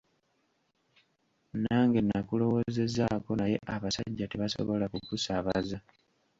Nange nakulowoozezzaako, naye abasajja tebasobola kukusaabaza.